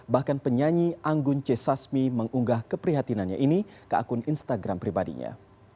bahkan penyanyi anggun c sasmi mengunggah keprihatinannya ini ke akun instagram pribadinya